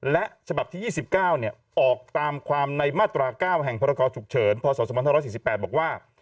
และฉบับที่๒๙เนี่ยออกตามความในมาตรก้าวแห่งพรคชุกเฉินพศส๑๖๔๘บอกว่า